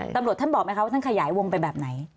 ตำรวจท่านบอกไหมคะว่าท่านขยายวงไปแบบไหน